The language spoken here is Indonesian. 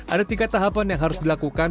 ada tiga tahapan yang harus dilakukan